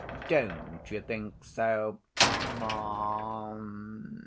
Don't you think so, ma'am?"